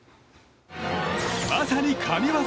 まさに神技！